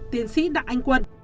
tiến sĩ đặng anh quân